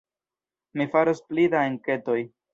Mi faros pli da enketoj.